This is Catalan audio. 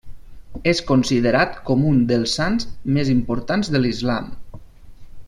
És considerat com un dels sants més importants de l'islam.